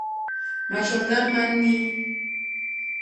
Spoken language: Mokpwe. Màrzòŋɡá má nǐ.